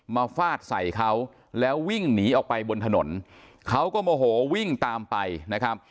ฟาดใส่เขาแล้ววิ่งหนีออกไปบนถนนเขาก็โมโหวิ่งตามไปนะครับ